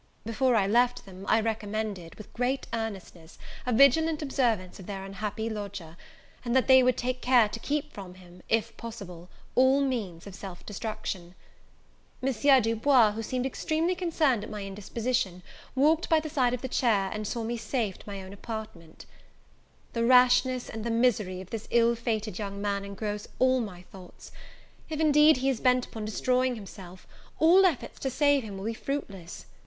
Before I left them, I recommended, with great earnestness, a vigilant observance of their unhappy lodger; and that they would take care to keep from him, if possible, all means of self destruction. M. Du Bois, who seemed extremely concerned at my indisposition, walked by the side of the chair, and saw me safe to my own apartment. The rashness and the misery of this ill fated young man engross all my thoughts. If indeed, he is bent upon destroying himself, all efforts to save him will be fruitless.